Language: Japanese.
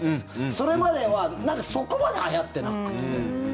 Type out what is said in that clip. それまではそこまではやってなくて。